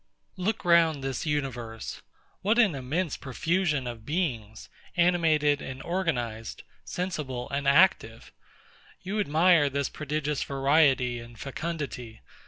Look round this universe. What an immense profusion of beings, animated and organised, sensible and active! You admire this prodigious variety and fecundity.